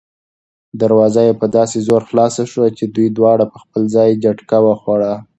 دروازه په داسې زور خلاصه شوه چې دوی دواړه په خپل ځای جټکه وخوړه.